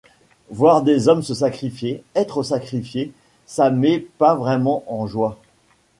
Voir des hommes se sacrifier, être sacrifiés, ça met pas vraiment en joie.